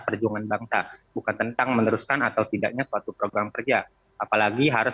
perjuangan bangsa bukan tentang meneruskan atau tidaknya suatu program kerja apalagi harus